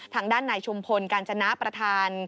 ทางด้านนายชุมพลกาญจนะประธาน